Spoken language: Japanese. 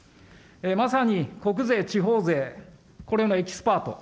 まさに国税、地方税、これのエキスパート。